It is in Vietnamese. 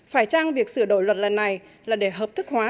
phải chăng việc sửa đổi luật lần này là để hợp thức hóa